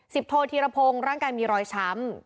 สิบโทธิระโพงร่างกายมีรอยช้ำ